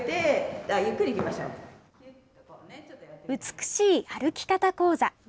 美しい歩き方講座。